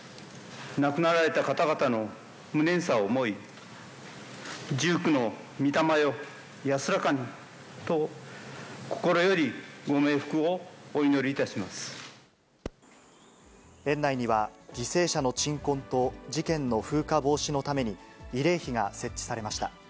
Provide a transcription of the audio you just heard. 亡くなられた方々の無念さを思い、１９のみ霊よ、安らかにと、園内には犠牲者の鎮魂と事件の風化防止のために、慰霊碑が設置されました。